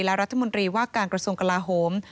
และรัฐมนตรีว่าการกระทรวงกลาโหม